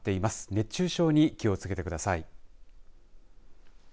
熱中症に気を付けてください。